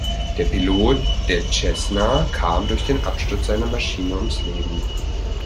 Der Pilot der Cessna kam durch den Absturz seiner Maschine ums Leben.